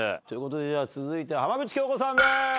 ということで続いては浜口京子さんです。